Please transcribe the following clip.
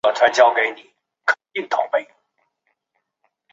每周三和周六举办集市。